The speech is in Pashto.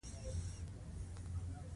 د مرګي د نڅا شعبده بازان او نندارچیان دي.